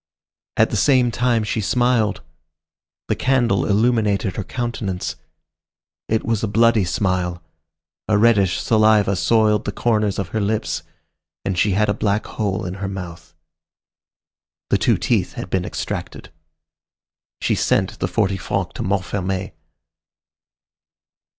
At the same time she smiled. The candle illuminated her countenance. It was a bloody smile. A reddish saliva soiled the corners of her lips, and she had a black hole in her mouth. The two teeth had been extracted. She sent the forty francs to Montfermeil.